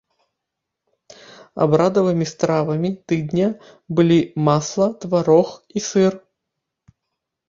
Абрадавымі стравамі тыдня былі масла, тварог і сыр.